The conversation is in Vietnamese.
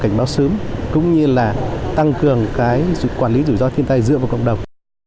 cảnh báo sớm cũng như là tăng cường cái quản lý rủi ro thiên tai dựa vào cộng đồng